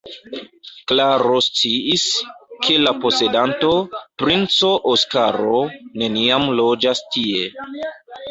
Klaro sciis, ke la posedanto, princo Oskaro, neniam loĝas tie.